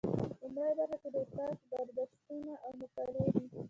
لومړۍ برخه کې د استاد برداشتونه او مقالې دي.